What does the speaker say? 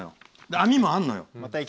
網もあるのよ。